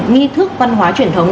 nghi thức văn hóa truyền thống